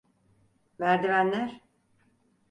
Merdivenler…